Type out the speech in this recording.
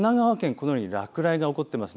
このように落雷が起こっています。